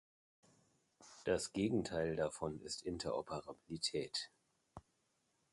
Das Gegenteil davon ist Interoperabilität.